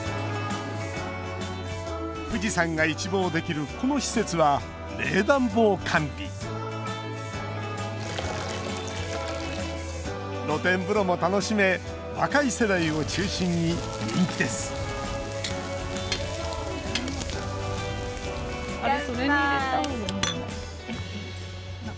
富士山が一望できるこの施設は冷暖房完備露天風呂も楽しめ若い世代を中心に人気です乾杯！